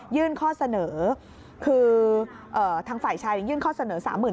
ข้อเสนอคือทางฝ่ายชายยื่นข้อเสนอ๓๕๐๐